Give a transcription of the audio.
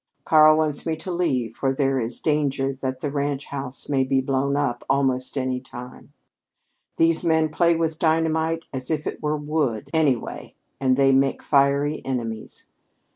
"Karl wants me to leave, for there is danger that the ranch house may be blown up almost any time. These men play with dynamite as if it were wood, anyway, and they make fiery enemies.